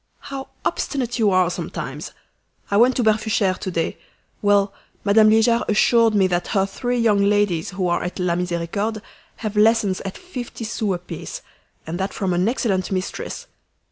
"How obstinate you are sometimes! I went to Barfucheres to day. Well, Madame Liegard assured me that her three young ladies who are at La Misericorde have lessons at fifty sous apiece, and that from an excellent mistress!"